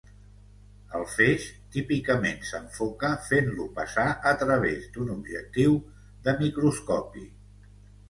El feix típicament s'enfoca fent-lo passar a través d'un objectiu de microscopi.